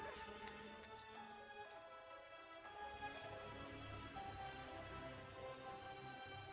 tante jadi bingung tante gak tahu dia ada di mana